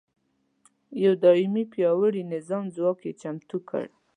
یو دایمي پیاوړي نظامي ځواک یې چمتو کړ.